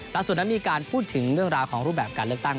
ล่าสุดนั้นมีการพูดถึงเรื่องราวของรูปแบบการเลือกตั้ง